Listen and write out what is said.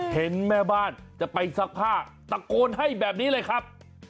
เห็นแม่บ้านจะไปซักผ้าตะโกนให้แบบนี้เลยครับ